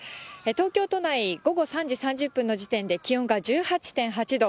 東京都内、午後３時３０分の時点で、気温が１８．８度。